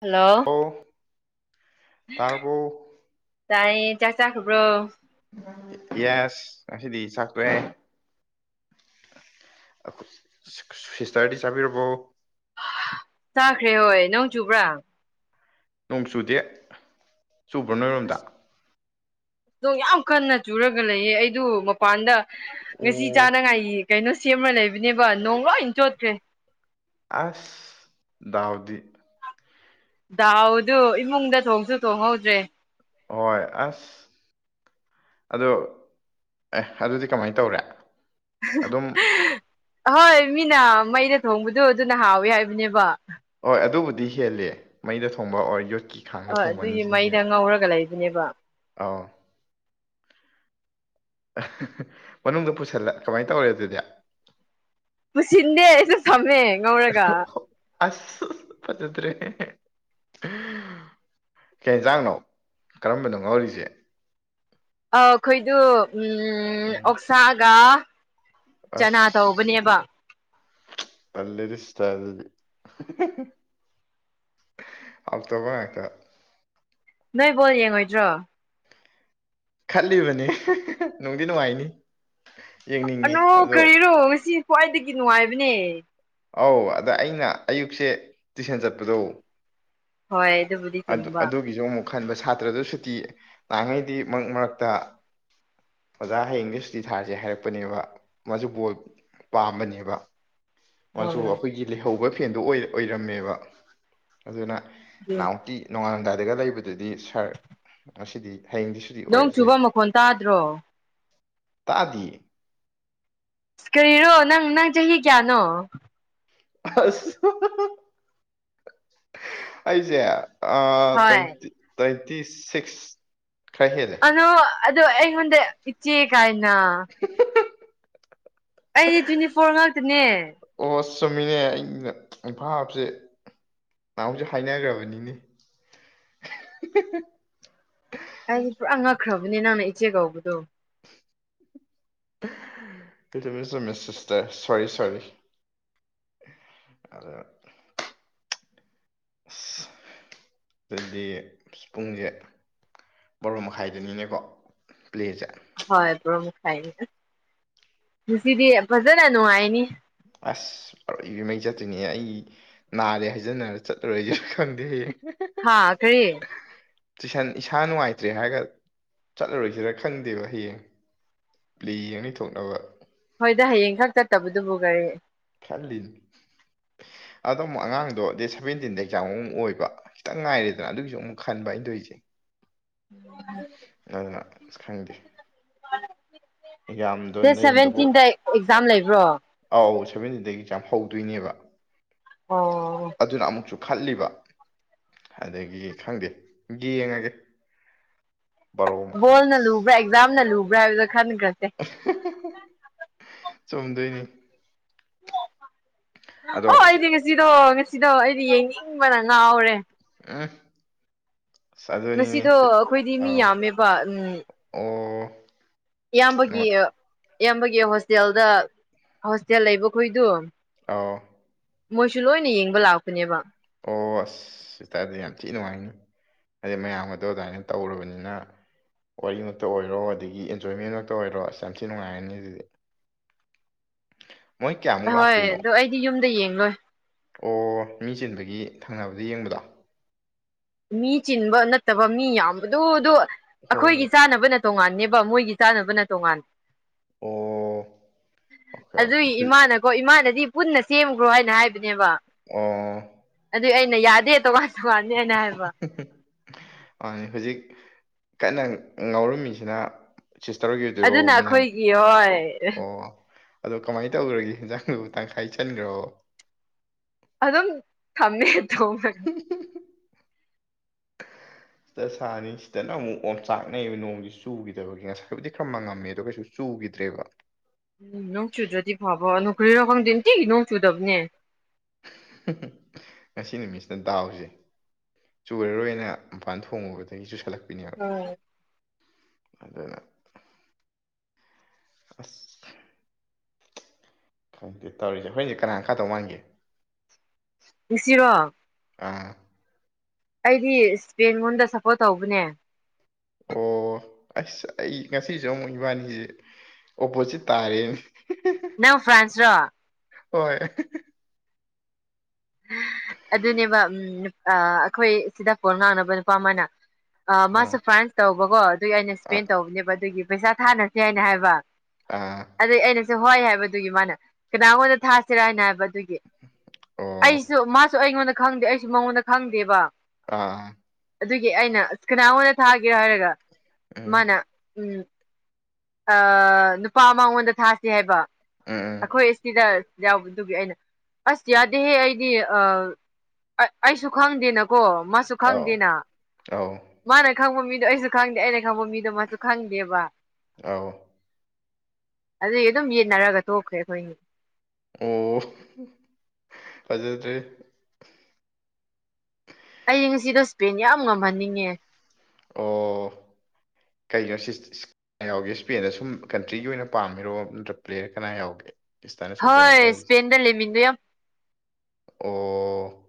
Hello ꯑꯣ ꯇꯔꯕꯣ ꯇꯥꯌꯦ ꯆꯥ ꯆꯥꯈꯕ꯭ꯔꯣ ꯌꯦꯁ ꯉꯁꯤꯗꯤ ꯆꯥꯛ ꯇꯣꯛ ꯑꯦ ꯁꯤꯁꯇꯔꯗꯤ ꯆꯥꯕꯤꯔꯕꯣ ꯇꯥꯈ꯭ꯔꯦ ꯍꯣꯏ ꯅꯣꯡ ꯆꯨꯕ꯭ꯔꯥ ꯅꯣꯡ ꯆꯨꯗꯦ ꯆꯨꯕ꯭ꯔꯣ ꯅꯣꯏꯔꯣꯝꯗ ꯅꯣꯡ ꯌꯥꯝ ꯀꯟꯅ ꯆꯨꯔꯒ ꯂꯩꯌꯦ ꯑꯩꯗꯨ ꯃꯄꯥꯟꯗ ꯉꯁꯤ ꯑꯣ ꯆꯥꯅꯉꯥꯏꯒꯤ ꯀꯩꯅꯣ ꯁꯦꯝꯃ ꯂꯩꯕꯅꯦꯕ ꯅꯣꯡ ꯂꯣꯏ ꯆꯣꯠꯈ꯭ꯔꯦ ꯑꯁ ꯗꯥꯎꯗꯤ ꯗꯥꯎꯗꯨ ꯏꯃꯨꯡꯗ ꯊꯣꯡꯁꯨ ꯊꯣꯡꯍꯧꯗ꯭ꯔꯦ ꯍꯣꯏ ꯑꯁ ꯑꯗꯣ ꯑꯦ ꯑꯗꯨꯗꯤ ꯀꯃꯥꯏ ꯇꯧꯔꯦ ꯑꯗꯨꯝ ꯍꯣꯏ ꯃꯤꯅ ꯃꯩꯅ ꯊꯣꯡꯕꯗꯣ ꯑꯗꯨꯅ ꯍꯥꯎꯋꯤ ꯍꯥꯏꯕꯅꯦꯕ ꯍꯣꯏ ꯑꯗꯨꯕꯨꯗꯤ ꯍꯦꯜꯂꯦ ꯃꯩꯗ ꯊꯣꯡꯕ ꯑꯣꯔ ꯌꯣꯠꯀꯤ ꯈꯥꯡꯗ ꯍ ꯊꯣꯡꯕ ꯑꯗꯨꯒꯤ ꯃꯩꯗ ꯉꯧꯔꯒ ꯂꯩꯕꯅꯦꯕ ꯑꯥꯎ ꯃꯅꯨꯡꯗ ꯄꯨꯁꯜꯂ ꯀꯃꯥꯏ ꯇꯧꯔꯦ ꯑꯗꯨꯗꯤ ꯄꯨꯁꯤꯟꯗꯦ ꯑꯩꯗꯨꯝ ꯊꯝꯃꯦ ꯉꯧꯔꯒ ꯑꯁ ꯐꯖꯗꯔ꯭ꯦ ꯀꯦ ꯌꯦꯟꯖꯥꯡꯅꯣ ꯀꯔꯝꯕꯅꯣ ꯉꯥꯎꯔꯤꯁꯦ ꯑꯩꯈꯣꯏꯗꯨ ꯎꯝ ꯑꯣꯛꯁꯥꯒ ꯆꯅꯥ ꯇꯧ ꯇꯧꯕꯅꯦꯕꯥ ꯇꯜꯂꯦꯗꯥ ꯁꯤꯁꯇꯔ ꯑꯗꯨꯗꯤ ꯍꯥꯎꯇꯥꯕꯥ ꯍꯇꯥ ꯅꯣꯏ ꯕꯣꯜ ꯌꯦꯡꯉꯣꯏꯗ꯭ꯔꯣ ꯈꯜꯂꯤꯕꯅꯦ ꯅꯨꯡꯗꯤ ꯅꯨꯡꯉꯥꯏꯅꯤ ꯑꯅꯣ ꯌꯦꯡꯅꯤꯡꯉꯤ ꯑꯗꯣ ꯀꯔꯤꯔꯣ ꯉꯁꯤ ꯈ꯭ꯋꯥꯏꯗꯒꯤ ꯅꯨꯡꯉꯥꯏꯕꯅꯦ ꯑꯧ ꯑꯗ ꯑꯩꯅ ꯑꯌꯨꯛꯁꯦ ꯇꯨꯏꯁꯟ ꯆꯠꯄꯗꯧ ꯍꯣꯏ ꯑꯗꯨꯕꯨꯗꯤ ꯆꯨꯝꯕ ꯑꯗꯨꯒꯤꯁꯨ ꯑꯃꯨꯛ ꯈꯟꯕ ꯁꯥꯇ꯭ꯔꯁꯨ ꯁꯨꯇꯤ ꯅꯍꯥꯟꯉꯩꯗꯤ ꯃꯔꯛ ꯃꯔꯛꯇ ꯑꯣꯖꯥ ꯍꯌꯦꯡꯗꯤ ꯁꯨꯇꯤ ꯊꯥꯔꯁꯦ ꯍꯥꯏꯔꯛꯄꯅꯦꯕ ꯃꯥꯁꯨ ꯕꯣꯜ ꯄꯥꯝꯕꯅꯦꯕ ꯃꯆꯨ ꯍꯣꯏ ꯑꯩꯈꯣꯏꯒꯤ ꯂꯩꯍꯧꯕ ꯐꯦꯟꯗꯣ ꯑꯣꯏꯔꯝꯃꯦꯕ ꯑꯗꯨꯅ ꯅꯥꯍꯟꯃꯨꯛꯀꯤ꫰ ꯅꯣꯡꯉꯥꯜꯂꯝꯗꯥꯏꯗꯗꯨ ꯂꯩꯕꯗꯨꯗꯤ ꯁꯥꯔ ꯉꯁꯤꯗꯤ ꯍꯌꯦꯡꯗꯤ ꯁꯨꯇꯤ ꯅꯣꯡ ꯑꯣꯏꯔꯁꯦ ꯆꯨꯕ ꯃꯈꯣꯟ ꯇꯥꯗ꯭ꯔꯣ ꯇꯥꯗꯤꯌꯦ ꯀꯔꯤꯔꯣ ꯅꯪ ꯅꯪ ꯆꯍꯤ ꯀꯌꯥꯅꯣ ꯑꯁ ꯑꯩꯁꯦ ꯑꯥ‌ ꯍꯣꯏ ꯇꯣꯏꯟꯇꯤ‌ ꯁꯤꯛꯁ ꯈꯔ ꯍꯦꯜꯂꯦ ꯑꯗꯨ ꯑꯗꯨ ꯑꯩꯉꯑꯣꯟꯗ ꯏꯆꯦ ꯀꯥꯏꯅ [inaudible] ꯑꯩ ꯇ꯭ꯋꯦꯟꯇꯤ ꯐꯣꯔ ꯉꯥꯛꯇꯅꯦ ꯑꯣ ꯆꯨꯝꯃꯤꯅꯦ ꯑꯩꯅ ꯕꯥꯞꯁꯦ ꯅꯍꯥꯟꯃꯨꯛꯁꯨ ꯍꯥꯏꯅꯒ꯭ꯔꯕꯅꯤꯅꯦ ꯑꯩ ꯄꯨꯔꯥ ꯉꯛꯈ꯭ꯔꯕꯅꯦ ꯅꯪꯅ ꯏꯆꯦ ꯀꯧꯕꯗꯣ [unintelligible] ꯁꯤꯁꯇꯔ ꯁꯣꯔꯤ ꯁꯣꯔꯤ [unintelligible] ꯑꯁ ꯗꯨꯗꯤ ꯄꯨꯡꯖꯦ ꯕꯔꯣ ꯃꯈꯥꯏꯗꯅꯤꯅꯦꯀꯣ ꯄ꯭ꯂꯦꯖꯦ ꯍꯣꯏ ꯕꯔꯣ ꯃꯈꯥꯏꯅꯤ ꯉꯁꯤꯗꯤ ꯐꯖꯅ ꯅꯨꯡꯉꯥꯏꯅꯤ ꯑꯁ ꯑꯔꯣꯏꯕꯤ ꯃꯩ ꯆꯠꯇꯣꯏꯅꯤꯍꯦ ꯑꯩ ꯅꯥꯔꯦ ꯍꯥꯏꯖꯟꯅꯔ ꯆꯠꯂꯔꯣꯏꯖꯤꯔ ꯈꯪꯗꯦ ꯍꯌꯦꯡ ꯍꯥꯥ ꯀꯔꯤ ꯇꯨꯏꯁꯟ ꯏꯁꯥ ꯅꯨꯡꯉꯥꯏꯇ꯭ꯔꯦ ꯍꯥꯏꯔꯒ ꯆꯠꯂꯔꯣꯏꯁꯤꯔ ꯈꯪꯗꯦꯕ ꯍꯌꯦꯡ ꯄ꯭ꯂꯦ ꯌꯦꯡ ꯂꯩꯊꯣꯛꯅꯕ ꯍꯣꯏꯗ ꯍꯌꯦꯡ ꯈꯛ ꯆꯠꯇꯕꯗꯨꯕꯨ ꯀꯩ ꯈꯜꯂꯤꯅꯤ ꯑꯗꯣꯃꯨꯛ ꯑꯉꯥꯡꯗꯣ ꯗꯦꯠ ꯁꯚꯦꯟꯇꯤꯟꯗ ꯑꯦꯛꯖꯥꯝ ꯃꯨꯛ ꯑꯣꯏꯕ ꯈꯤꯇꯪ ꯉꯥꯏꯔꯦꯗꯅ ꯑꯗꯨꯒꯤꯁꯨ ꯑꯃꯨꯛ ꯈꯟꯕ ꯑꯩ ꯇꯧꯏꯖꯦ [unintelligible] ꯅꯪꯅ ꯑꯁ ꯈꯪꯗꯦ ꯑꯦꯛꯖꯥꯝꯗꯣ ꯗꯦꯠ ꯂꯩꯔꯝꯗꯕꯨ ꯁꯚꯦꯟꯇꯤꯟꯗ ꯑꯦꯛꯖꯥꯝ ꯂꯩꯕ꯭ꯔꯣ ꯑꯧ ꯁꯦꯚꯦꯟꯇꯤꯗꯒꯤ ꯑꯦꯛꯖꯝ ꯍꯧꯗꯣꯏꯅꯦꯕ ꯑꯣ ꯑꯗꯨꯅ ꯑꯃꯨꯛꯁꯨ ꯈꯟꯂꯤꯕ ꯑꯗꯒꯤ ꯈꯪꯗꯦ ꯌꯦꯡꯉꯒꯦ ꯕꯥꯔꯣ ꯃꯈꯥꯏ ꯕꯣꯜꯅ ꯑꯁ ꯂꯨꯕ꯭ꯔꯥ ꯑꯦꯛꯖꯥꯝꯅ ꯂꯨꯕ꯭ꯔꯥ ꯍꯥꯏꯕꯗꯣ ꯈꯟꯒ꯭ꯔꯖꯦ ꯆꯨꯝꯗꯣꯏꯅꯤ ꯑꯣ ꯑꯗꯣ ꯁꯤ ꯑꯩꯗꯤ ꯉꯁꯤꯗꯣ ꯉꯁꯤꯗꯣ ꯑꯩꯗꯤ ꯌꯦꯡꯅꯤꯡꯕꯅ ꯉꯥꯎꯔꯦ ꯎꯝ ꯑꯁ ꯑꯗꯨꯅꯤꯅꯦ ꯉꯁꯤꯗꯣ ꯁꯤ ꯑꯩꯈꯣꯏꯗꯤ ꯃꯤ ꯑꯥꯎ ꯌꯥꯝꯃꯦꯕ ꯎꯝ ꯑꯣ ꯏꯌꯥꯝꯕꯒꯤ ꯅꯨꯡꯉꯥꯏ ꯏꯌꯥꯝꯕꯒꯤ ꯍꯣꯁꯇꯦꯜꯗ ꯍꯣꯁꯇꯦꯜ ꯂꯩꯕꯈꯣꯏꯗꯨ ꯑꯥꯎ ꯃꯣꯏꯁꯨ ꯂꯣꯏꯅ ꯌꯦꯡꯕ ꯂꯥꯛꯄꯅꯦꯕ ꯑꯣ ꯑꯁ ꯑꯗꯨꯑꯣꯏꯇꯔꯗꯤ ꯌꯥꯝ ꯊꯤ ꯅꯨꯡꯉꯥꯏꯅꯤ ꯑꯗꯩ ꯃꯌꯥꯝꯒꯗꯣ ꯑꯗꯥꯏꯅ ꯇꯧꯔꯕꯅꯤꯅ ꯋꯥꯔꯤ ꯃꯛꯇ ꯑꯣꯏꯔꯣ ꯑꯗꯒꯤ ꯑꯦꯟꯖꯣꯏꯃꯦꯟ ꯃꯛꯇ ꯑꯣꯏꯔꯣ ꯑꯁ ꯌꯥꯝ ꯊꯤ ꯅꯨꯡꯉꯥꯏꯔꯅꯤ ꯑꯗꯨꯗꯤ [unintelligible] ꯃꯣꯏ ꯀꯌꯥꯃꯨꯛ ꯑꯍꯣꯏ ꯂꯥꯛꯇꯣꯏꯅꯣ ꯑꯗꯣ ꯑꯩꯗꯤ ꯌꯨꯝꯗ ꯌꯦꯡ ꯂꯣꯏ ꯑꯣ ꯃꯤ ꯆꯤꯟꯕꯒꯤ ꯊꯪꯅꯕꯗ ꯌꯦꯡꯕꯗꯣ ꯃꯤ ꯆꯤꯟꯕ ꯅꯠꯇꯕ ꯃꯤ ꯌꯥꯝꯕꯗꯣꯗꯣ ꯍꯣꯏ ꯑꯩꯈꯣꯏꯒꯤ ꯆꯥꯅꯕ ꯅ ꯇꯣꯉꯥꯟꯅꯦꯕ ꯃꯣꯏꯒꯤ ꯆꯥꯅꯕꯅ ꯇꯣꯉꯥꯟ ꯑꯣ ꯑꯣꯀꯦ ꯑꯣꯀꯦ ꯑꯗꯨꯏ ꯍꯧꯖꯤꯛ ꯏꯃꯥꯅ ꯀꯣ ꯏꯃꯥꯅꯗꯤ ꯄꯨꯟꯅ ꯁꯦꯝꯈ꯭ꯔꯣ ꯍꯥꯏꯅ ꯍꯥꯏꯕꯅꯦꯕ ꯑꯣ ꯑꯗꯨꯏ ꯑꯩꯅ ꯌꯥꯗꯦ ꯇꯣꯉꯥꯟ ꯇꯣꯉꯥꯟꯅꯤꯅ ꯍꯥꯏꯕ ꯃꯅꯦ ꯍꯧꯖꯤꯛ ꯀꯟꯅ ꯉꯥꯎꯔꯝꯃꯤꯁꯤꯅ ꯁꯤꯁꯇꯔ ꯍꯣꯏꯒꯤ ꯑꯣꯏꯗꯣꯏꯔꯣ ꯑꯗꯨꯅ ꯃꯌꯥꯝ ꯑꯩꯈꯣꯏꯒꯤ ꯍꯣꯏ ꯑꯣ ꯑꯗꯣ ꯀꯃꯥꯏꯅ ꯇꯧꯈ꯭ꯔꯒꯦ ꯍꯟꯖꯥꯡꯗꯨꯕꯨ ꯇꯪꯈꯥꯏ ꯆꯟꯈ꯭ꯔꯣ ꯑꯗꯨꯝ ꯊꯝꯃꯦ ꯊꯣꯉꯒ ꯁꯤꯗ ꯁꯥꯅꯤ ꯁꯤꯗꯅ ꯑꯃꯨꯛ ꯑꯣꯝꯆꯥꯛꯅꯩꯑꯕ ꯅꯣꯡꯗꯤ ꯆꯨꯈꯤꯗꯕꯒꯤ ꯉꯁꯥꯏꯕꯨꯗꯤ ꯈꯔ ꯃꯉꯝꯃꯦ ꯑꯗꯣ ꯀꯩꯁꯨ ꯆꯨꯈꯤꯗ꯭ꯔꯦꯕ ꯎꯝ ꯅꯣꯡ ꯆꯨꯗ꯭ꯔꯗꯤ ꯐꯕ ꯀꯔꯤꯒꯤꯅꯣ ꯈꯪꯗꯦ ꯅꯨꯡꯇꯤꯒꯤ ꯅꯣꯡ ꯆꯨꯗꯕꯅꯦ ꯉꯁꯤ ꯅꯨꯃꯤꯠꯁꯤꯗ ꯗꯥꯎꯁꯦ ꯆꯨꯔꯔꯣꯏꯅ ꯃꯄꯥꯟ ꯊꯣꯡꯉꯨꯕꯗꯒꯤ ꯆꯨꯁꯜꯂꯛꯄ ꯎꯝ ꯑꯗꯨꯒ [unintelligible] ꯈꯪꯗꯦ ꯇꯧꯔꯤꯁꯦ ꯍꯣꯏꯅꯦ ꯀꯅꯥ ꯀꯇꯧ ꯃꯥꯟꯒꯦ ꯉꯁꯤꯔꯣ ꯑꯥ ꯑꯩꯗꯤ ꯏꯁꯄꯦꯟ ꯂꯣꯟꯗ ꯁꯞꯄꯣꯔꯠ ꯇꯧꯕꯅꯦ ꯑꯣ ꯑꯁ ꯑꯩ ꯉꯁꯤꯁꯨ ꯑꯃꯨꯛ ꯏꯕꯥꯅꯤꯁꯦ ꯑꯣꯄꯣꯖꯤꯠ ꯇꯥꯔꯦ ꯅꯪ ꯐ꯭ꯔꯥꯟꯁ ꯔꯣ ꯍꯣꯏ ꯑꯗꯨꯅꯦꯕ ꯑꯩꯈꯣꯏ ꯁꯤꯗ ꯄꯣꯜ ꯉꯥꯡꯅꯕ ꯅꯨꯄꯥ ꯑꯃꯅ ꯑ ꯍꯣꯏ ꯃꯥꯁꯨ ꯐ꯭ꯔꯥꯟꯁ ꯇꯧꯕꯀꯣ ꯑꯗꯨꯒꯤ ꯑꯩꯅ ꯑꯥ ꯏꯁꯄꯦꯟ ꯇꯧꯕꯅꯦꯕ ꯑꯗꯨꯒꯤ ꯄꯩꯁꯥ ꯊꯥꯅꯁꯦ ꯍꯥꯏꯅ ꯍꯥꯏꯕ ꯑꯥ ꯑꯗꯨꯗꯩ ꯑꯩꯅꯁꯨ ꯍꯣꯏ ꯍꯥꯏꯕꯗꯨꯒꯤ ꯃꯥꯅ ꯀꯅꯥꯉꯣꯟꯗ ꯊꯥꯁꯤꯔꯥ ꯍꯥꯏꯅ ꯍꯥꯏꯕ ꯑꯗꯨꯒꯤ ꯑꯣ ꯑꯩꯁꯨ ꯃꯥꯁꯨ ꯑꯩꯉꯣꯟꯗ ꯈꯪꯗꯦ ꯑꯩꯁꯨ ꯃꯉꯣꯟꯗ ꯈꯪꯗꯦꯕ ꯑꯥ ꯑꯗꯨꯒꯤ ꯑꯩꯅ ꯑꯁ ꯀꯅꯥꯗ ꯊꯥꯒꯦꯔꯣ ꯍꯥꯏꯔꯒ ꯎꯝ ꯃꯥꯅ ꯎꯝ ꯅꯨꯄꯥ ꯃꯉꯣꯟꯗ ꯊꯥꯁꯤ ꯍꯥꯏꯕ ꯎꯝ ꯎꯝ ꯑꯩꯈꯣꯏ ꯑꯁꯤꯗ ꯌꯥꯎꯕꯗꯨꯒꯤ ꯑꯩꯅ ꯑꯁ ꯌꯥꯗꯦꯍꯦ ꯑꯩꯗꯤ ꯑ ꯑꯩꯁꯨ ꯈꯪꯗꯦꯅꯀꯣ ꯁꯨ ꯑꯧ ꯈꯪꯗꯦꯅ ꯑꯧ ꯃꯥꯅ ꯈꯪꯕ ꯃꯤꯗꯣ ꯑꯩꯁꯨ ꯈꯪꯗꯦ ꯑꯩꯅ ꯈꯪꯕ ꯃꯤꯗꯣ ꯃꯥꯁꯨ ꯈꯪꯗꯦꯕ ꯑꯧ ꯑꯗꯨꯒꯤ ꯑꯗꯨꯝ ꯌꯦꯠꯅꯔꯒ ꯊꯣꯛꯈ꯭ꯔꯦ ꯑꯩꯈꯣꯏꯅꯤ ꯑꯣ ꯐꯖꯗ꯭ꯔꯦ ꯑꯩ ꯉꯁꯤꯗꯣ ꯁ꯭ꯄꯦꯏꯟ ꯌꯥꯝ ꯉꯝꯍꯟꯅꯤꯡꯉꯦ ꯑꯣ ꯀꯩ [unintelligible] ꯌꯥꯎꯒꯦ ꯁ꯭ꯄꯦꯏꯟꯗ ꯁꯨꯝ ꯀꯟꯇ꯭ꯔꯤꯒꯤ ꯑꯣꯏꯅ ꯄꯥꯝꯃꯤꯔꯣ ꯅꯠꯇ꯭ꯔ ꯄ꯭ꯂꯦ ꯀꯅꯥ ꯌꯥꯎꯒꯦ ꯏꯁꯇꯅ ꯁꯨꯝ ꯀꯩꯅꯣ ꯍꯣꯏ ꯇꯧꯔꯤꯁꯦ ꯁ꯭ꯄꯦꯏꯟꯗ ꯂꯦꯃꯤꯟꯗꯨ ꯌꯥꯝ ꯑꯣ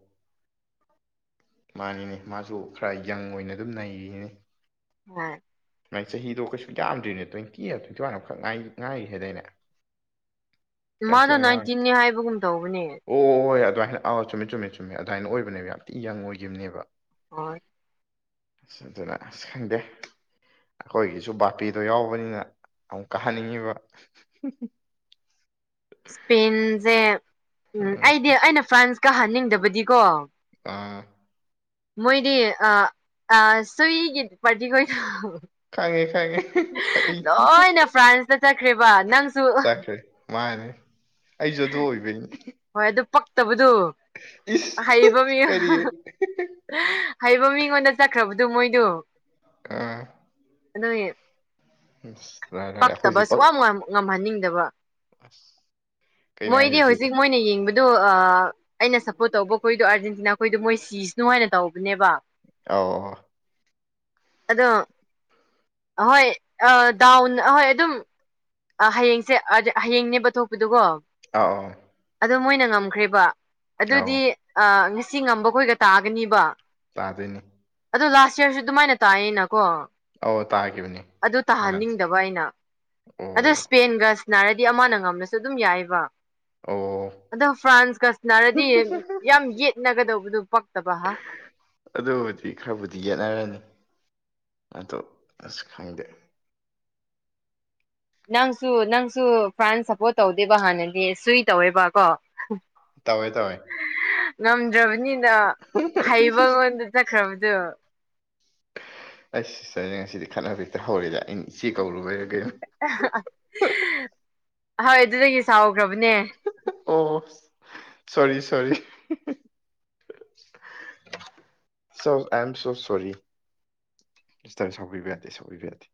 ꯃꯥꯅꯤꯅꯦ ꯃꯥꯁꯨ ꯈ꯭ꯔ ꯌꯪ ꯑꯣꯏꯅ ꯑꯗꯨꯝ ꯅꯩ [unintelligible] ꯍꯣꯏ ꯅꯪ ꯆꯍꯤꯗꯨ ꯀꯩꯁꯨ ꯌꯥꯝꯗ꯭ꯔꯤꯅꯦ ꯇ꯭ꯋꯦꯟꯇꯤ ꯑ ꯇ꯭ꯋꯦꯟꯇꯤ ꯋꯥꯟ ꯑꯃꯈꯛ ꯉꯥꯏꯔꯤ ꯍꯥꯏꯗꯥꯏꯅꯦ ꯌꯥꯝ ꯊꯤ ꯃꯥꯅ ꯑꯉꯥꯡ ꯅꯥ꯭ꯏꯟꯇꯤꯟꯅꯦ ꯍꯥꯏꯕꯒꯨꯝ ꯇꯧꯕꯅꯦ ꯑꯣ ꯍꯣꯏ ꯑꯗꯨꯃꯥꯏꯅ ꯑꯥꯎ ꯆꯨꯝꯃꯦ ꯆꯨꯝꯃꯦ ꯆꯨꯝꯃꯦ ꯑꯗꯨꯃꯥꯏꯅ ꯑꯣꯏꯕꯅꯦꯕ ꯌꯥꯝ ꯊꯤ ꯌꯪ ꯑꯣꯏꯈꯤꯕꯅꯦꯕ ꯍꯣꯏ ꯑꯁ ꯑꯗꯨꯅ ꯑꯁ ꯈꯪꯗꯦ ꯑꯩꯈꯣꯏꯒꯤꯁꯨ ꯕꯞꯄꯦꯗꯣ ꯌꯎꯕꯅꯤꯅ ꯑꯃꯨꯛ ꯀꯍꯟꯅꯤꯡꯉꯤꯕ ꯁ꯭ꯄꯦꯏꯟ ꯁꯦ ꯎꯝ ꯑꯩꯗꯤ ꯑꯩꯅ ꯐ꯭ꯔꯥꯟꯁꯀ ꯍꯥꯟꯅꯤꯡꯗꯕꯗꯤꯀꯣ ꯑ ꯃꯣꯏꯗꯤ ꯑ ꯑ ꯁꯨꯏꯒꯤ ꯄꯥꯔꯇꯤ ꯈꯣꯏ [unintelligible] ꯈꯪꯉꯦ ꯈꯪꯉꯦ ꯑꯩ ꯂꯣꯏꯅ ꯐ꯭ꯔꯥꯟꯁꯗ ꯆꯠꯈ꯭ꯔꯦꯕ ꯅꯪꯁꯨ ꯆꯠꯈ꯭ꯔꯦ ꯃꯥꯅꯦ ꯑꯩꯁꯨ ꯑꯗꯨ ꯑꯣꯏꯕꯩꯅꯤ ꯍꯣꯏ ꯑꯗꯨ ꯄꯛꯇꯕꯗꯨ ꯏꯁ ꯑꯍꯩꯕ ꯃꯌꯝ ꯀꯔꯤ ꯍꯩꯕ ꯃꯤꯉꯣꯟꯗ ꯆꯠꯈ꯭ꯔꯕꯗꯨ ꯃꯣꯏꯗꯨ ꯑ [unintelligible] ꯑꯗꯨꯒꯤ ꯎꯝ ꯄꯛꯇꯕ [unintelligible] ꯉꯝꯍꯟꯅꯤꯡꯗꯕ ꯑꯁ ꯀꯩꯅꯣ ꯃꯣꯏꯗꯤ ꯍꯥꯏꯁꯤꯕꯣ ꯁꯤꯁꯦ ꯍꯧꯖꯤꯛ ꯃꯣꯏꯅ ꯌꯦꯡꯕꯗꯣ ꯑ ꯑꯩꯅ ꯁꯞꯄꯣꯔꯠ ꯇꯧꯕ ꯈꯣꯏꯗꯣ ꯑꯥꯔꯖꯦꯟꯇꯤꯅꯥ ꯈꯣꯏꯗꯣ ꯃꯣꯏ ꯁꯤꯁꯅꯨ ꯍꯥꯏꯅ ꯇꯧꯕꯅꯦꯕ ꯑꯧ ꯑꯧ ꯑꯗꯣ ꯑꯍꯣꯏ ꯑ ꯗꯥꯎ ꯑꯍꯣꯏ ꯑꯗꯨꯝ ꯑ ꯍꯌꯦꯡꯁꯦ [unintelligible] ꯍꯌꯦꯡꯅꯦꯕ ꯊꯣꯛꯄꯗꯨꯀꯣ ꯑ [unintelligible] ꯑꯗꯨ ꯃꯣꯏꯅ ꯉꯝꯈ꯭ꯔꯦꯕ ꯑꯗꯨꯗꯤ ꯑꯧ ꯉꯁꯤ ꯉꯝꯕꯈꯣꯏꯒ ꯇꯥꯒꯅꯤꯕ ꯇꯥꯗꯣꯏꯅꯤ ꯑꯗꯨ ꯂꯥꯁ ꯏꯌꯔꯁꯨ ꯑꯗꯨꯃꯥꯏꯅ ꯇꯥꯌꯦꯅꯀꯣ ꯑꯧ ꯇꯥꯈꯤꯕꯅꯦ ꯑꯗꯨ ꯇꯥꯍꯟꯅꯤꯡꯗꯕ ꯑꯩꯅ ꯑꯗꯨ ꯑꯣ ꯁ꯭ꯄꯦꯏꯟꯒ ꯁꯅꯥꯔꯗꯤ ꯑꯃꯅ ꯉꯝꯂꯁꯨ ꯑꯗꯨꯝ ꯌꯥꯏꯌꯦꯕ ꯑꯧ ꯑꯗꯨ ꯐ꯭ꯔꯥꯟꯁꯀ ꯁꯅꯔꯗꯤ ꯌꯥꯝ ꯌꯦꯠꯅꯒꯗꯧꯕꯗꯨ ꯄꯛꯇꯕ ꯍꯥ ꯑꯗꯨꯕꯨꯗꯤ ꯈꯔꯕꯨꯗꯤ ꯌꯦꯠꯅꯔꯅꯤ ꯑꯗꯨ ꯑꯁ ꯈꯪꯗꯦ ꯅꯪꯁꯨ ꯅꯪꯁꯨ ꯐ꯭ꯔꯥꯟꯁ ꯁꯞꯄꯣꯔꯠ ꯇꯧꯗꯦꯕ ꯍꯥꯟꯅꯗꯤ ꯁꯨꯏ ꯇꯧꯋꯦꯕꯀꯣ ꯇꯧꯋꯦ ꯇꯧꯋꯦ ꯉꯝꯗ꯭ꯔꯕꯅꯤꯅ ꯍꯩꯕꯉꯣꯟꯗ ꯆꯠꯈ꯭ꯔꯕꯗꯨ ꯑꯁ [unintelligible] ꯉꯁꯤꯗꯤ ꯈꯠꯅꯕ ꯍꯦꯛꯇ ꯍꯧꯔꯦꯗ ꯑꯩꯅ ꯏꯆꯦ ꯀꯧꯔꯨꯕꯩꯔ ꯀꯩꯅꯣ ꯍꯣꯏ ꯑꯗꯨꯗꯒꯤ ꯁꯎꯈ꯭ꯔꯕꯅꯦ ꯑꯣ ꯁꯣꯔꯤ ꯁꯣꯔꯤ ꯁꯣ ꯑꯥꯏꯝ ꯁꯣ ꯁꯣꯔꯤ [unintelligible] ꯁꯥꯎꯕꯤꯕ ꯌꯥꯗꯦ ꯁꯥꯎꯕꯤꯕ ꯌꯥꯗꯦ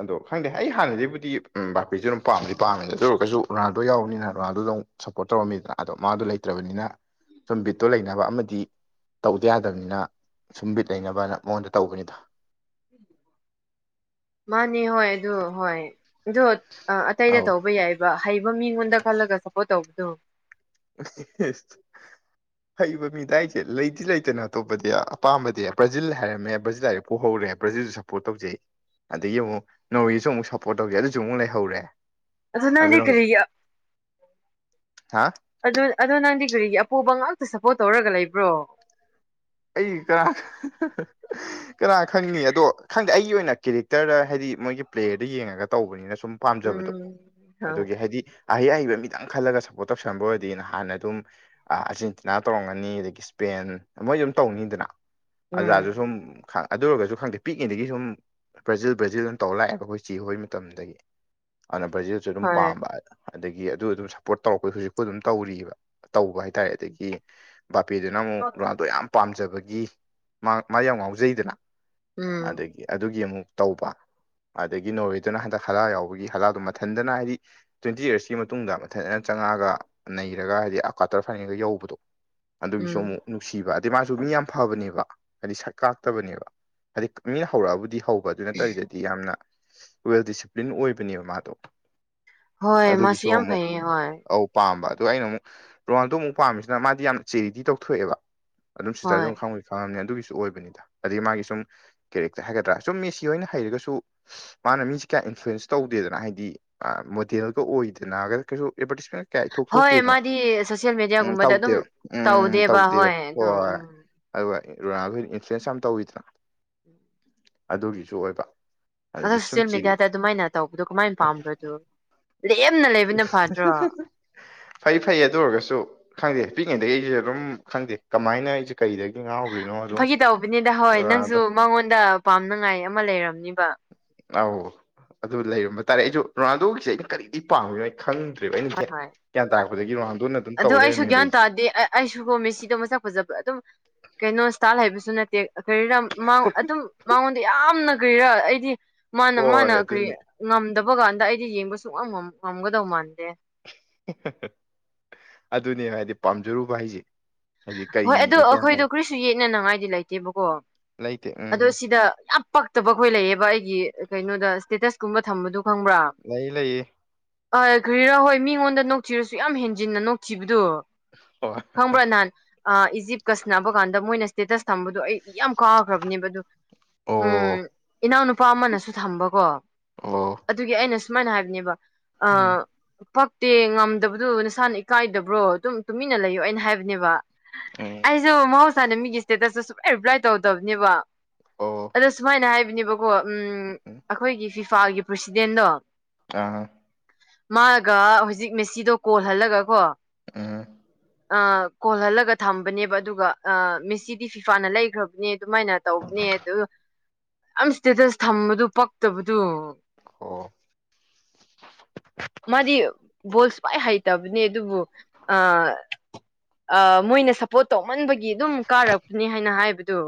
ꯑꯗꯣ ꯈꯪꯗꯦ ꯑꯩ ꯍꯥꯟꯅꯗꯩꯕꯨꯗꯤ ꯕꯥꯞꯄꯦꯁꯦ ꯑꯗꯨꯝ ꯄꯥꯝꯗꯤ ꯄꯥꯝꯃꯦ ꯑꯗꯨ ꯑꯣꯏꯔꯒꯁꯨ ꯔꯨꯅꯥꯜꯗꯣ ꯌꯥꯎꯕꯅꯤꯅ ꯔꯨꯅꯥꯜꯗꯨꯗ ꯑꯃꯨꯛ ꯁꯞꯄꯣꯔꯠ ꯇꯧꯔꯝꯃꯤꯗꯅ ꯑꯗꯣ ꯃꯥꯗꯣ ꯂꯩꯇ꯭ꯔꯕꯅꯤꯅ ꯁꯨꯝ ꯕꯤꯠꯇꯨ ꯂꯩꯅꯕ ꯑꯃꯗꯤ ꯇꯧꯗ ꯌꯥꯗꯕꯅꯤꯅ ꯁꯨꯝ ꯕꯤꯠ ꯂꯩꯅꯕꯅ ꯃꯉꯣꯟꯗ ꯇꯧꯕꯅꯤꯗ ꯃꯥꯅꯦ ꯍꯣꯏ ꯑꯗꯨ ꯍꯣꯏ ꯑꯗꯨ ꯑꯇꯩꯗ ꯑꯧ ꯇꯧꯕ ꯌꯥꯏꯕ ꯍꯩꯕ ꯃꯤꯉꯣꯟꯗ ꯈꯜꯂꯒ ꯁꯞꯄꯣꯔꯠ ꯇꯧꯕꯗꯣ [unintelligible] ꯍꯩꯕ ꯃꯤꯗꯥꯏꯁꯦ ꯂꯩꯗꯤ ꯂꯩꯇꯅ ꯑꯇꯣꯞꯄꯗꯤ ꯑꯄꯥꯝꯕꯗꯤ ꯕ꯭ꯔꯖꯤꯜ ꯍꯥꯏꯔꯝꯃꯦ ꯕ꯭ꯔꯥꯖꯤꯜ ꯍꯥꯏꯔꯦ ꯄꯨꯍꯧꯔꯦ ꯕ꯭ꯔꯖꯤꯜꯁꯨ ꯄꯣꯔꯠ ꯇꯧꯖꯩ ꯑꯗꯒꯤ ꯑꯃꯨꯛ ꯅꯣꯔꯤꯁꯨ ꯑꯃꯨꯛ ꯁꯞꯄꯣꯔꯠ ꯇꯧꯖꯩ ꯑꯗꯨꯁꯨ ꯑꯃꯨꯛ ꯂꯩꯍꯧꯔꯦ ꯑꯗꯨ ꯅꯪꯗꯤ ꯑꯗꯨꯅ ꯍꯧꯖꯤꯛ ꯀꯔꯤꯒꯤ ꯍꯥ ꯑꯗꯨ ꯑꯗꯣ ꯅꯪꯗꯤ ꯀꯔꯤꯒꯤ ꯑꯄꯣꯕ ꯉꯥꯛꯇ ꯁꯞꯄꯣꯔꯠ ꯇꯧꯔꯒ ꯂꯩꯕ꯭ꯔꯣ ꯑꯩ ꯀꯔꯥ ꯀꯅꯥ ꯈꯪꯅꯤ ꯑꯗꯣ ꯈꯪꯗꯦ ꯑꯩꯒꯤ ꯑꯣꯏꯅ ꯀꯦꯔꯦꯛꯇꯔꯗ ꯍꯥꯏꯗꯤ ꯃꯣꯏꯒꯤ ꯄ꯭ꯂꯦꯌꯔꯗ ꯌꯦꯡꯉꯒ ꯇꯧꯕꯅꯤꯅ ꯁꯨꯝ ꯄꯥꯝꯖꯕꯗꯣ ꯎꯝ ꯍꯣꯏ ꯑꯗꯨꯒꯤ ꯍꯥꯏꯗꯤ ꯑꯍꯩ ꯑꯍꯩꯕ ꯃꯤꯇꯪ ꯈꯜꯂꯒ ꯁꯞꯄꯣꯔꯠ ꯇꯧꯁꯟꯕ ꯑꯣꯏꯔꯗꯤ ꯅꯍꯥꯟꯅ ꯑꯗꯨꯝ ꯑꯥꯔꯖꯦꯟꯇꯤꯅꯥ ꯇꯧꯔꯝꯒꯅꯤ ꯑꯗꯒꯤ ꯁ꯭ꯄꯦꯟ ꯃꯣꯏ ꯁꯨꯝ ꯇꯧꯅꯤꯗꯅ ꯑꯖꯥꯁꯨ ꯎꯝ ꯁꯨꯝ ꯑꯗꯨ ꯑꯣꯏꯔꯒꯁꯨ ꯈꯪꯗꯦ ꯄꯤꯛꯉꯩꯗꯒꯤ ꯁꯨꯝ ꯕ꯭ꯔꯥꯖꯤꯜ ꯕ꯭ꯔꯥꯖꯤꯜ ꯑꯗꯨꯝ ꯇꯧ ꯂꯥꯛꯑꯦꯕ ꯈꯣꯏ ꯆꯦ ꯍꯣꯏ ꯃꯇꯝꯗꯒꯤ ꯑꯗꯨꯅ ꯕꯔꯖꯤꯜꯁꯨ ꯑꯗꯨꯝ ꯍꯣꯏ ꯄꯥꯝꯕ ꯍꯥꯏ ꯑꯗꯒꯤ ꯑꯗꯨ ꯑꯗꯨꯝ ꯁꯞꯄꯣꯔꯠ ꯇꯧꯔꯛꯄ ꯍꯧꯖꯤꯛꯄꯨ ꯑꯗꯨꯝ ꯇꯧꯑꯔꯤꯕ ꯇꯧꯕ ꯍꯥꯏꯇꯥꯔꯦ ꯑꯗꯒꯤ ꯕꯥꯄꯦꯗꯨꯅ ꯑꯃꯨꯛ ꯔꯣꯅꯥꯜꯗꯣ ꯌꯥꯝ ꯄꯥꯝꯖꯕꯒꯤ ꯃꯥ ꯃꯥ ꯌꯥꯝ ꯉꯥꯎꯖꯩꯗꯅ ꯎꯝ ꯑꯗꯒꯤ ꯑꯗꯨꯒꯤ ꯑꯃꯨꯛ ꯇꯧꯕ ꯑꯗꯒꯤ ꯅꯣꯔꯋꯦꯗꯨꯅ ꯍꯟꯗꯛ ꯍꯂ ꯌꯥꯎꯕꯒꯤ ꯍꯂꯗꯣ ꯃꯊꯟꯇꯅ ꯍꯥꯏꯗꯤ ꯇ꯭ꯋꯦꯟꯇꯤ ꯔꯁꯀꯤ ꯃꯇꯨꯡꯗ ꯃꯊꯟꯗꯅ ꯆꯪꯉꯛꯑꯒ ꯅꯩꯔꯒ ꯍꯥꯏꯗꯤ ꯀ꯭ꯋꯥꯇꯔ ꯐꯥꯏꯅꯦꯜꯒ ꯌꯧꯕꯗꯣ ꯑꯗꯨꯒꯤꯁꯨ ꯎꯝ ꯑꯃꯨꯛ ꯅꯨꯡꯁꯤꯕ ꯃꯥꯁꯨ ꯃꯤ ꯌꯥꯝ ꯐꯕꯅꯦꯕ ꯍꯥꯏꯗꯤ ꯁꯛ ꯀꯥꯛꯇꯕꯅꯦꯕ ꯍꯥꯏꯗꯤ ꯃꯤꯅ ꯍꯧꯔꯛꯑꯕꯨꯗꯤ ꯍꯧꯕ ꯑꯗꯨ ꯅꯠꯇꯕꯤꯗꯗꯤ ꯌꯥꯝꯅ ꯋꯦꯜ ꯗꯤꯁꯤꯄ꯭ꯂꯤꯟ ꯑꯣꯏꯕꯅꯦꯕ ꯃꯥꯗꯣ ꯍꯣꯏ ꯃꯥꯁꯨ ꯑꯗꯨꯒꯤꯁꯨ ꯌꯥꯝ ꯑꯃꯨꯛ ꯐꯩꯌꯦ ꯍꯣꯏ ꯄꯥꯝꯕ ꯑꯗꯨ ꯑꯩꯅ ꯑꯃꯨꯛ ꯔꯣꯅꯥꯜꯗꯣ ꯑꯃꯨꯛ ꯄꯥꯝꯃꯤꯁꯤꯅ ꯃꯥꯗꯤ ꯌꯥꯝ ꯆꯦꯔꯤꯇꯤ ꯇꯧꯊꯣꯛꯑꯦꯕ ꯑꯗꯨꯝ ꯁꯤꯗ ꯍꯣꯏ ꯑꯗꯨꯝ ꯈꯪꯉꯤ ꯐꯕꯃꯦ ꯑꯗꯨꯒꯤꯁꯨ ꯑꯣꯏꯕꯅꯤꯗ ꯑꯗꯒꯤ ꯃꯥꯒꯤ ꯁꯨꯝ ꯀꯦꯔꯦꯛꯇꯔ ꯍꯥꯏꯒꯗ꯭ꯔꯥ ꯁꯨꯝ ꯃꯦꯁꯤ ꯍꯣꯏꯅ ꯍꯩꯔꯒꯁꯨ ꯃꯥꯅ ꯃꯤꯁꯦ ꯀꯌꯥ ꯏꯟꯐ꯭ꯂꯨꯌꯦꯟꯁ ꯇꯧꯗꯦꯗꯅ ꯍꯥꯏꯗꯤ ꯃꯣꯗꯦꯜꯒ ꯑꯣꯏꯗꯅꯒ ꯀꯩꯁꯨ ꯑꯦꯗꯚꯔꯇꯤꯁꯃꯦꯟ ꯀꯌꯥ ꯏꯊꯣꯛ ꯍꯣꯏ ꯊꯣꯛꯇꯦꯗꯅ ꯃꯥꯗꯤ ꯁꯣꯁꯤꯌꯦꯜ ꯎꯝ ꯃꯦꯗꯤꯌꯥꯒꯨꯝꯕꯗ ꯑꯗꯨꯝ ꯇꯧꯗꯦꯕ ꯎꯝ ꯇꯧꯗꯦꯕ ꯍꯣꯏ ꯑꯗꯣ ꯍꯣꯏ ꯎꯝ ꯑꯗꯨꯒ ꯔꯣꯅꯥꯈꯣꯏ ꯏꯟꯐ꯭ꯂꯨꯌꯦꯟꯁ ꯌꯥꯝ ꯇꯧꯋꯤꯗꯅꯣ ꯑꯗꯨꯒꯤꯁꯨ ꯑꯣꯏꯕ ꯑꯗꯒꯤ ꯑꯗ ꯁꯨꯝ ꯁꯤꯌꯦꯜ ꯆꯤꯔꯤ ꯃꯦꯗꯤꯌꯥꯗ ꯑꯗꯨꯃꯥꯏꯅ ꯇꯧꯕꯗꯣ ꯀꯃꯥꯏꯅ ꯄꯥꯝꯕ꯭ꯔꯣꯗꯨ ꯂꯦꯝꯅ ꯂꯩꯕꯅ ꯐꯗ꯭ꯔꯣ ꯐꯩ ꯐꯩ ꯑꯗꯨ ꯑꯣꯏꯔꯒꯁꯨ ꯈꯪꯗꯦ ꯄꯤꯛꯉꯩꯗꯒꯤ ꯑꯩꯁꯦ ꯑꯗꯨꯝ ꯈꯪꯗꯦ ꯀꯃꯥꯏꯅ ꯑꯩꯁꯨ ꯀꯩꯗꯒꯤ ꯉꯥꯎꯈ꯭ꯔꯤꯅꯣ ꯑꯗꯨꯝ ꯐꯥꯒꯤ ꯇꯧꯕꯅꯤꯗ ꯍꯣꯏ ꯅꯪꯁꯨ ꯔꯣꯅꯥꯜꯗꯣ ꯃꯉꯣꯟꯗ ꯄꯥꯝꯅꯉꯥꯏ ꯑꯃ ꯂꯩꯔꯝꯅꯤꯕ ꯑꯧ ꯑꯗꯨ ꯂꯩꯔꯝꯕ ꯇꯥꯔꯦ ꯑꯩꯁꯨ ꯔꯣꯅꯥꯜꯗꯣꯒꯤꯁꯦ ꯑꯩꯅ ꯀꯔꯤ ꯄꯥꯝꯃꯤꯅꯣ ꯑꯩ ꯈꯪꯗ꯭ꯔꯦꯕ ꯑꯩꯅ ꯍꯣꯏ ꯍꯣꯏ ꯒꯌꯥꯟ ꯇꯔꯛꯄꯗꯒꯤ ꯔꯣꯅꯥꯟꯗꯣꯅ ꯑꯗꯣ ꯑꯩꯁꯨ ꯒ꯭ꯌꯥꯟ ꯇꯥꯗꯦ ꯑꯩꯁꯨꯒꯣ ꯃꯦꯁꯤꯗꯣ ꯃꯁꯛ ꯐꯖꯕ ꯑꯗꯨꯝ ꯀꯩꯅꯣ ꯁꯇꯥꯥꯏꯜ ꯍꯥꯏꯕꯁꯨ ꯅꯠꯇꯦ ꯀꯔꯤꯝ ꯑꯗꯨꯝ ꯃꯉꯣꯟꯗ ꯌꯥꯝꯅ ꯀꯔꯤꯔꯥ ꯑꯩꯗꯤ ꯃꯥꯅ ꯍꯣꯏ ꯃꯥꯅ ꯀꯔꯤ ꯑꯗꯨꯅꯦ ꯉꯝꯗꯕ ꯀꯥꯟꯗ ꯑꯩꯗꯤ ꯌꯦꯡꯕ ꯁꯨꯡꯉꯝ ꯉꯝꯒꯗꯧ ꯃꯥꯟꯗꯦ [unintelligible] ꯑꯗꯨꯅꯦ ꯍꯥꯏꯗꯤ ꯄꯥꯝꯖꯔꯨꯕ ꯍꯥꯏꯁꯦ ꯍꯥꯏꯗꯤ ꯍꯣꯏ ꯑꯗꯣ ꯀꯔꯤꯅꯣ ꯒ꯭ꯌꯥꯟ ꯑꯩꯈꯣꯏꯗꯣ ꯇꯥꯗꯦ ꯀꯔꯤꯁꯨ ꯌꯦꯠꯅꯅꯤꯡꯉꯥꯏꯗꯤ ꯂꯩꯇꯦꯕꯀꯣ ꯂꯩꯇꯦ ꯎꯝ ꯑꯗꯣ ꯁꯤꯗ ꯌꯥꯝ ꯄꯛꯇꯕ ꯈꯣꯏ ꯂꯩꯌꯦꯕ ꯑꯩꯒꯤ ꯀꯩꯅꯣꯗ ꯁꯇꯦꯇꯁꯀꯨꯝꯕ ꯊꯝꯕꯗꯨ ꯈꯪꯕ꯭ꯔꯥ ꯂꯩ ꯂꯩꯌꯦ ꯑ ꯈ꯭ꯔꯤꯔꯥ ꯍꯣꯏ ꯃꯤꯉꯣꯟꯗ ꯅꯣꯛꯊꯤꯔꯁꯨ ꯌꯥꯝ ꯍꯦꯟꯖꯤꯟꯅ ꯅꯣꯛꯈꯤꯕꯗꯨ ꯍꯣꯏ ꯀꯣꯝꯕ꯭ꯔꯅꯥꯍꯟ ꯏꯖꯤꯞꯀ ꯁꯤꯟꯅꯕ ꯀꯥꯟꯗ ꯃꯣꯏꯅ ꯏꯁꯇꯦꯇꯁ ꯊꯝꯕꯗꯣ ꯑꯩ ꯌꯥꯝ ꯀꯥꯈ꯭ꯔꯕꯅꯦꯕ ꯑꯗꯨ ꯎꯝ ꯑꯣ ꯏꯅꯥꯎꯅꯨꯄꯥ ꯑꯃꯅꯁꯨ ꯊꯝꯕꯀꯣ ꯑꯣ ꯑꯗꯨꯒꯤ ꯑꯩꯅ ꯁꯨꯃꯥꯏꯅ ꯍꯥꯏꯕꯅꯦꯕ ꯑ ꯎꯝ ꯐꯛꯇꯦ ꯉꯝꯗꯕꯗꯨ ꯅꯁꯥꯅ ꯏꯀꯥꯏꯗꯕ꯭ꯔꯣ ꯑꯗꯨꯝ ꯇꯨꯃꯤꯟꯅ ꯂꯩꯌꯣ ꯑꯩꯅ ꯍꯥꯏꯕꯅꯦꯕ ꯎꯝ ꯑꯩꯁꯨ ꯃꯍꯧꯁꯥꯅ ꯃꯤꯒꯤ ꯏꯁꯇꯦꯇꯁꯇ ꯁꯨꯛꯂꯥꯏ ꯔꯤꯄ꯭ꯂꯥꯏ ꯇꯧꯗꯕꯅꯦꯕ꯫ ꯑꯣ꯫ ꯑꯗꯣ ꯁꯨꯃꯥꯏꯅ ꯍꯥꯏꯕꯅꯦꯕꯀꯣ ꯎꯝ ꯎꯝ ꯑꯈꯣꯏꯒꯤ ꯐꯤꯐꯥꯜꯒꯤ ꯄ꯭ꯔꯁꯤꯗꯦꯟꯗꯣ꯫ ꯑ꯫ ꯃꯥꯔꯒ ꯍꯧꯖꯤꯛ ꯃꯦꯁꯤꯗꯣ ꯀꯣꯜꯍꯜꯂꯒ ꯀꯣ ꯎꯝ꯫ ꯑ ꯀꯣꯜꯂꯍꯂ ꯊꯝꯕꯅꯦꯕ ꯑꯗꯨꯒ ꯑ ꯃꯦꯁꯤꯗꯤ ꯐꯤꯐꯥꯅ ꯂꯩꯈ꯭ꯔꯕꯅꯦ ꯑꯗꯨꯃꯥꯏꯅ ꯇꯧꯕꯅꯦ ꯑꯗꯨ ꯌꯥꯝ ꯁ꯭ꯇꯦꯇꯁ ꯊꯝꯕꯗꯨ ꯄꯛꯇꯕꯗꯨ꯫ ꯑꯣ꯫ ꯃꯥꯗꯤ ꯕꯣꯜꯁ ꯈ꯭ꯋꯥꯏ ꯍꯩꯇꯕꯅꯦ ꯑꯗꯨꯕꯨ ꯑ ꯑ ꯃꯣꯏꯅ ꯁꯞꯄꯣꯔꯠ ꯇꯧꯃꯟꯕꯒꯤ ꯑꯗꯨꯝ ꯀꯥꯔꯛꯄꯅꯤ ꯍꯥꯏꯅ ꯍꯥꯏꯕꯗꯨ꯫